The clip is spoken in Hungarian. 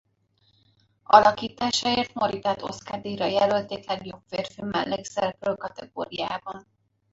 Alakításáért Moritát Oscar-díjra jelölték legjobb férfi mellékszereplő kategóriában.